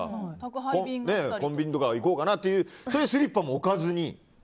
コンビニとか行こうかなっていうそういうスリッパも置かずに？